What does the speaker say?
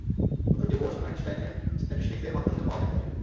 উত্তরটি বোস-আইনস্টাইনের স্ট্যাটিসটিকসের মাধ্যমেও পাওয়া যেতে পারে।